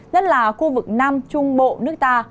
nhất là khu vực nam trung bộ nước ta